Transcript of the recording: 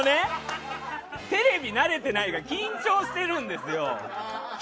テレビ慣れてないから緊張してるんですよ。